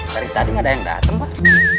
dari tadi nggak ada yang datang pak